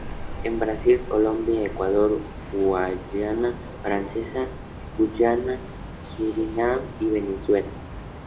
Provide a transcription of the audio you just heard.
En Brasil, Colombia, Ecuador, Guayana Francesa, Guyana, Surinam y Venezuela.